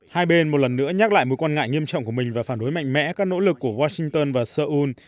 hai bên một lần nữa nhắc lại mối quan ngại nghiêm trọng của mình và phản đối mạnh mẽ các nỗ lực của washington và seoul